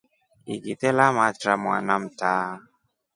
Ikite lammatra mwana mta.